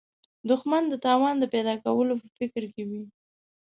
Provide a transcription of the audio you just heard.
دښمن د تاوان د پیدا کولو په فکر کې وي